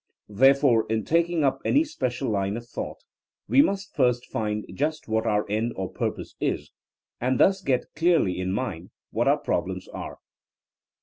Therefore in taking up any special line of thought, we must first find just what our end or purpose is, and thus get clearly in mind what our problems are.